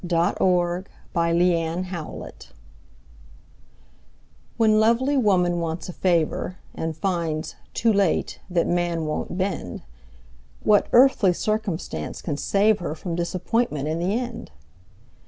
Phoebe Cary When Lovely Woman WHEN lovely woman wants a favor, And finds, too late, that man won't bend, What earthly circumstance can save her From disappointment in the end?